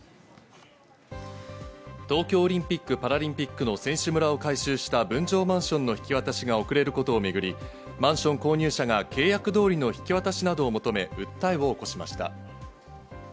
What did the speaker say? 東京オリンピック・パラリンピックの選手村を改修した分譲マンションの引き渡しが遅れることをめぐり、マンション購入者が契約通りの引き渡しなどを求め、訴えを起こしました。